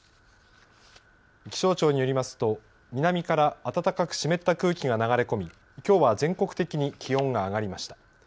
気象庁によりますと南から暖かく湿った空気が流れ込みきょうは全国的に気温が上がりました。